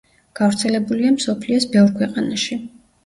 გავრცელებულია მსოფლიოს ბევრ ქვეყანაში.